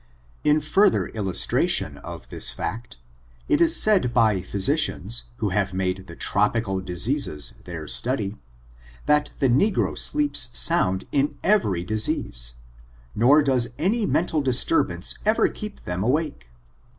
In further illustration of this fact, it is said by physicians, who have made the tropical diseases their study, that the negro sleeps sound in every dis ease, nor does dniy mental disturbances ever keep them awake.